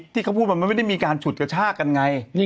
ที่เขาพูดมันไม่ได้มีการฉุดกระชากกันไง